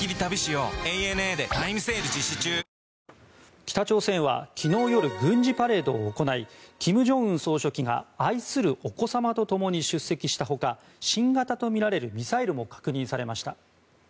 北朝鮮は、昨日夜軍事パレードを行い金正恩総書記が愛するお子様とともに出席したほか新型とみられるミサイルも確認されました。